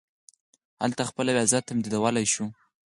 هلته خپله وېزه تمدیدولای شم.